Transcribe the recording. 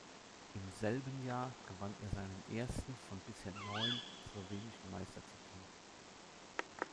Im selben Jahr gewann er seinen ersten von bisher neun slowenischen Meistertiteln.